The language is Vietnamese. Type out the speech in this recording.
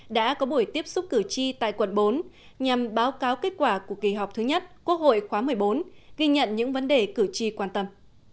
đã có buổi tiếp xúc cử tri tại quận bốn nhằm báo cáo kết quả của kỳ họp thứ nhất quốc hội khóa một mươi bốn ghi nhận những vấn đề cử tri quan tâm